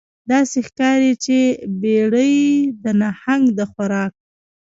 داسې ښکاري چې بیړۍ د نهنګ د خوراک